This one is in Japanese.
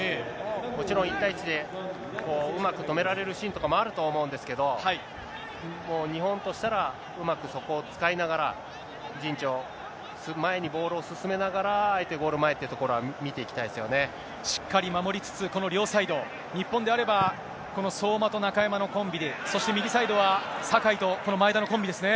もちろん、１対１でうまく止められるシーンとかもあると思うんですけど、もう、日本としたら、うまくそこを使いながら、陣地を前にボールを進めながら、相手ゴール前というところは、しっかり守りつつ、この両サイド、日本であれば、この相馬と中山のコンビ、そして右サイドは酒井とこの前田のコンビですね。